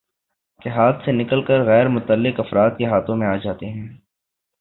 کے ہاتھ سے نکل کر غیر متعلق افراد کے ہاتھوں میں آجاتے ہیں